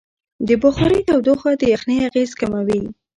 د بخارۍ تودوخه د یخنۍ اغېز کموي.